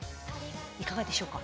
いかがでしょうか？